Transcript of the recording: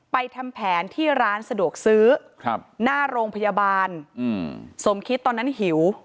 ทำแผนที่ร้านสะดวกซื้อหน้าโรงพยาบาลสมคิดตอนนั้นหิว